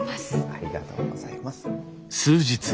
ありがとうございます。